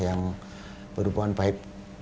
yang berhubungan baik